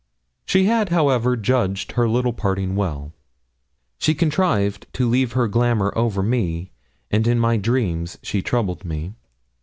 She had, however, judged her little parting well. She contrived to leave her glamour over me, and in my dreams she troubled me.